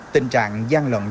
tình trạng gian lận